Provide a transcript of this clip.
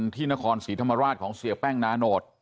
ที่นครศรีธรรมราชของเสียแป้งนาโนต